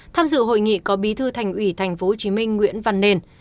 tham dự hội nghị có bí thư thành ủy tp hcm nguyễn văn nền